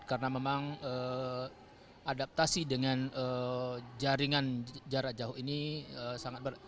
karena memang adaptasi dengan jaringan jarak jauh ini sangat berat